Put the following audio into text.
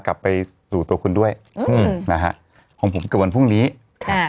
กลับไปสู่ตัวคุณด้วยอืมนะฮะของผมเกิดวันพรุ่งนี้ค่ะ